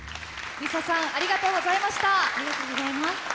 ＬｉＳＡさん、ありがとうございました。